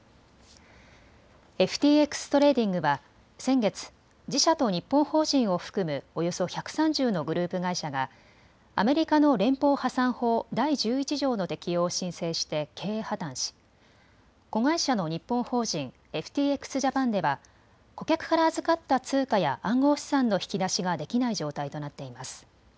ＦＴＸトレーディングは先月、自社と日本法人を含むおよそ１３０のグループ会社がアメリカの連邦破産法第１１条の適用を申請して経営破綻し子会社の日本法人、ＦＴＸジャパンでは顧客から預かった通貨や暗号資産の引き出しができない状態となっています。